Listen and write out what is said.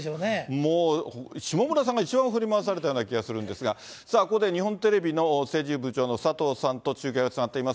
もう下村さんが一番振り回されたような気がするんですが、ここで日本テレビの政治部長の佐藤さんと中継がつながっています。